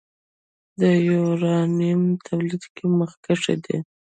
د یورانیم تولید کې مخکښ دی.